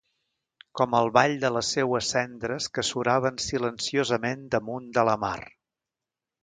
Com el ball de les seues cendres que suraven silenciosament damunt de la mar.